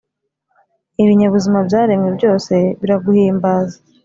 ibinyabuzima byaremwe byose biraguhimbaza